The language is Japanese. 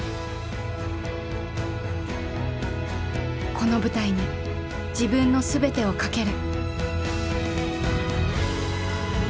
この舞台に自分の全てをかける。